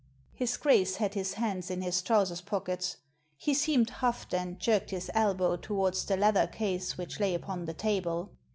His Grace had his hands in his trousers pockets. He seemed huffed, and jerked his elbow towards the leather case which lay upon the table.